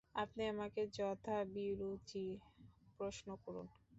আপনি আমাকে যথাভিরুচি প্রশ্ন করুন।